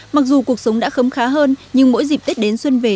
mặc dù cuộc sống đã khấm khá hơn nhưng mỗi dịp tết đến xuân về